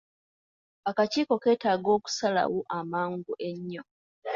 Akakiiko keetaaga okusalawo amangu ennyo.